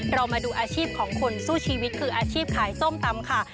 เรามาดูอาชีพของคนสู้ชีวิตคืออาชีพขายส้มตำค่ะ